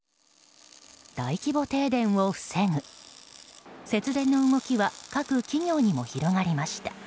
大規模停電を防ぐ節電の動きは各企業にも広がりました。